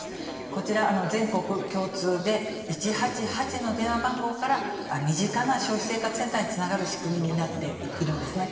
こちら、全国共通で１８８の電話番号から身近な消費生活センターにつながる仕組みになっているんですね。